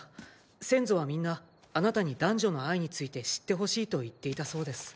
先祖はみんなあなたに男女の愛について知ってほしいと言っていたそうです。